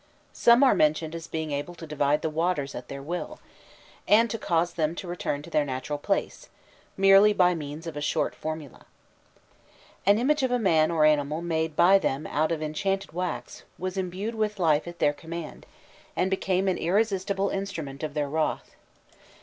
Some are mentioned as being able to divide the waters at their will, and to cause them to return to their natural place, merely by means of a short formula. An image of a man or animal made by them out of enchanted wax, was imbued with life at their command, and became an irresistible instrument of their wrath.